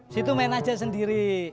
situ main aja sendiri